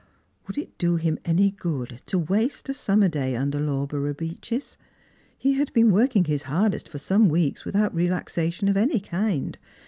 Would it do him any good to waste a summer day under Law borough Beeches ? He had been working his hardest for some weeks without relaxation of any kind.